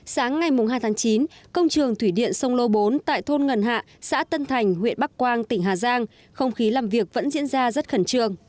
sáng ngày hai tháng chín công trường thủy điện sông lô bốn tại thôn ngân hạ xã tân thành huyện bắc quang tỉnh hà giang không khí làm việc vẫn diễn ra rất khẩn trương